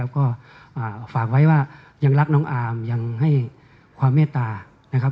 ก็ฝากไว้ว่ายังรักน้องอามยังให้ความเมตตา